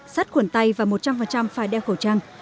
sắt khuẩn tay và một trăm linh phải đeo khẩu trang